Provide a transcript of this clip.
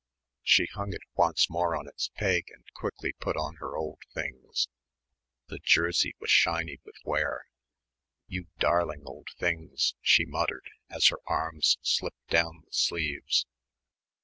She hung it once more on its peg and quickly put on her old things. The jersey was shiny with wear. "You darling old things," she muttered as her arms slipped down the sleeves.